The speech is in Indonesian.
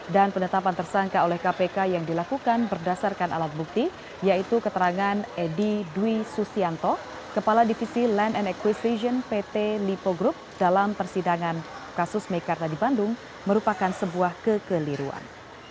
dan penetapan tersangka oleh kpk yang dilakukan berdasarkan alat bukti yaitu keterangan edy dwi susianto kepala divisi land and equestrian pt lipo group dalam persidangan kasus meikarta di bandung merupakan sebuah kekeliruan